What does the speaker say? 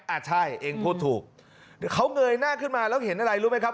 อ่ะใช่เองพูดถูกเดี๋ยวเขาเงยหน้าขึ้นมาแล้วเห็นอะไรรู้ไหมครับ